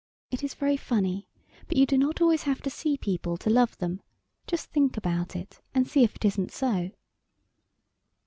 (It is very funny, but you do not always have to see people to love them. Just think about it, and see if it isn't so.)